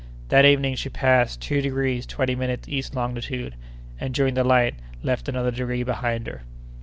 That evening she passed two degrees twenty minutes east longitude, and during the night left another degree behind her.